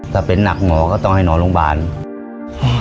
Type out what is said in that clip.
ถ้าเป็นหนักหมอก็ต้องให้นอนโรงพยาบาล